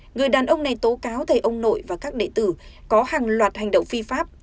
người đàn ông này tố cáo thầy ông nội và các đệ tử có hàng loạt hành động phi pháp